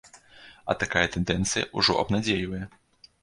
А такая тэндэнцыя ўжо абнадзейвае.